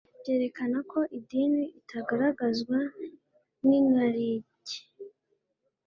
Byerekana ko idini itagaragazwa n'inarijye,